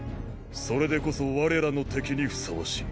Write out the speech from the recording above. それでこそ我らの敵にふさわしい。